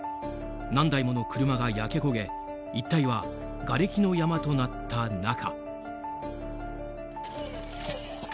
何台もの車が焼け焦げ一帯はがれきの山となった中。